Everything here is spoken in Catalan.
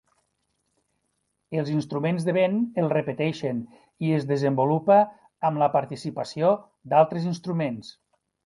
Els instruments de vent el repeteixen i es desenvolupa amb la participació d'altres instruments.